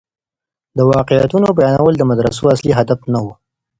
د واقعيتونو بيانول د مدرسو اصلي هدف نه و.